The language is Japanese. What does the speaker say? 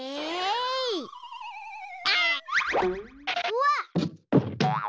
うわっ！